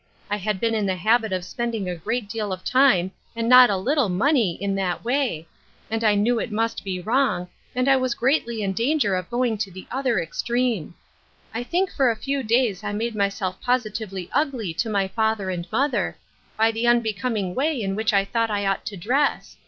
I had been in the habit of spending a great deal of time and not a little money in that way, and I knew it must be wrong, and I was greatly in danger of going to the other extreme. I think for a few days I made myself positively ugly to my fatb)r and mother, by the unbecoming way in which I thought I ought to dress.